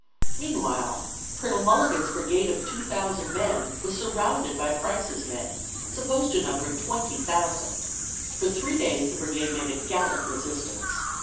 Meanwhile Colonel Mulligan's brigade of two thousand men was surrounded by Price's men, supposed to number twenty thousand. For three days the brigade made a gallant resistance.